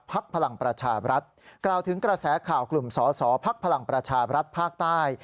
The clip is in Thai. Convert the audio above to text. พลังประชาบรัฐกล่าวถึงกระแสข่าวกลุ่มสอสอภักดิ์พลังประชาบรัฐภาคใต้